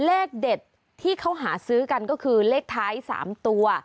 เลขเด็ดที่เขาหาซื้อกันก็คือเลขท้าย๓ตัว